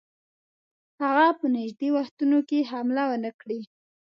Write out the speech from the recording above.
هغه په نیژدې وختونو کې حمله ونه کړي.